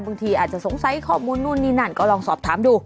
บางทีอาจจะสงสัยข้อมูลนู่นนี่นั่นก็ลองสอบถามดู